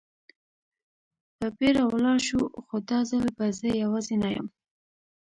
په بېړه ولاړ شو، خو دا ځل به زه یوازې نه یم.